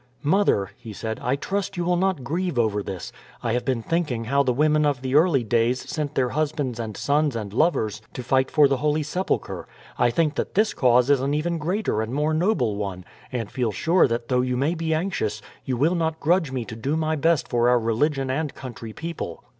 "Mother," he said, "I trust you will not grieve over this. I have been thinking how the women of the early days sent their husbands and sons and lovers to fight for the Holy Sepulchre. I think that this cause is an even greater and more noble one; and feel sure that though you may be anxious, you will not grudge me to do my best for our religion and country people."